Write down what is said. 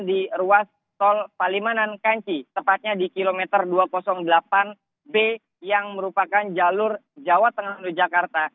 di ruas tol palimanan kanci tepatnya di kilometer dua ratus delapan b yang merupakan jalur jawa tengah menuju jakarta